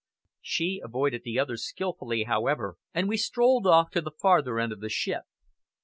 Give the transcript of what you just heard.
She avoided the others skilfully, however, and we strolled off to the farther end of the ship.